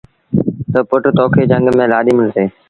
تا پُٽ تو کي جھنگ ميݩ لآڏيٚ ملسي۔